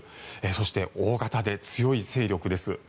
そして大型で強い勢力です。